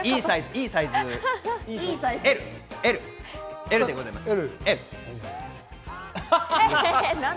いいサイズです。